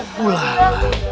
sebesar lu mau makan bolu